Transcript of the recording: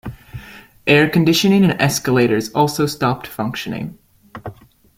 Air-conditioning and escalators also stopped functioning.